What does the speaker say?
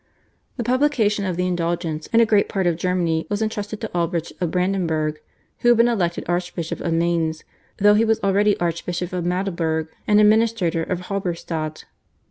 The publication of the Indulgence in a great part of Germany was entrusted to Albrecht of Brandenberg, who had been elected Archbishop of Mainz though he was already Archbishop of Magdeburg and Administrator of Halberstadt.